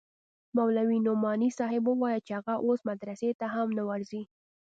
مولوي نعماني صاحب وويل چې هغه اوس مدرسې ته هم نه ورځي.